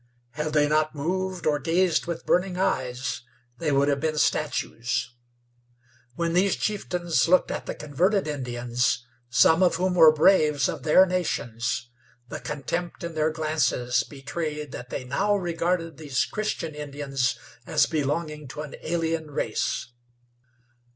Had they not moved, or gazed with burning eyes, they would have been statues. When these chieftains looked at the converted Indians, some of whom were braves of their nations, the contempt in their glances betrayed that they now regarded these Christian Indians as belonging to an alien race.